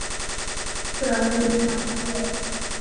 กระดึงช้างเผือก